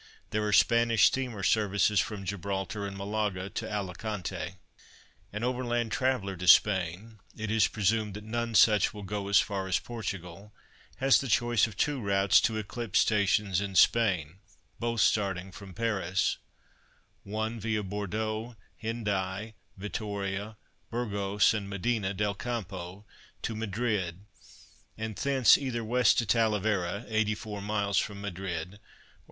There are Spanish steamer services from Gibraltar, and Malaga, to Alicante. An overland traveller to Spain (it is presumed that none such will go as far as Portugal) has the choice of two routes to eclipse stations in Spain, both starting from Paris:—(1) viâ Bordeaux, Hendaye, Vittoria, Burgos and Medina del Campo, to Madrid, and thence either W. to Talavera (84m. from Madrid), or S.